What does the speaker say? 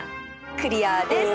クリアです！